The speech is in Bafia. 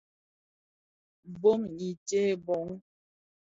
Bông i tséé bông.